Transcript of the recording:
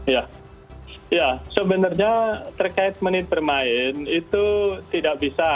ya sebenarnya terkait menit bermain itu tidak bisa